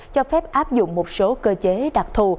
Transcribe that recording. cho phép áp dụng một số cơ chế đặc thù